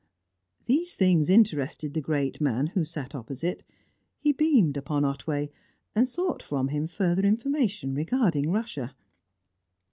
These things interested the great man, who sat opposite; he beamed upon Otway, and sought from him further information regarding Russia.